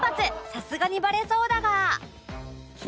さすがにバレそうだが